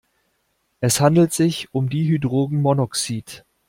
Es handelt sich um Dihydrogenmonoxid.